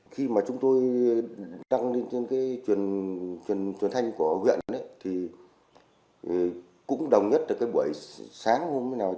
khi mà chúng tôi đăng lên cái truyền thanh của huyện thì cũng đồng nhất là cái buổi sáng hôm nay